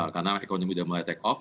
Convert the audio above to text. karena ekonomi sudah mulai take off